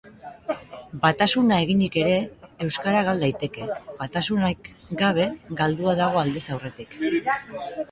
Batasuna eginik ere, euskara gal daiteke; batasunik gabe, galdua dago aldez aurretik.